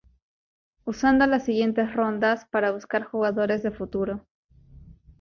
Usando las siguientes rondas para buscar jugadores de futuro.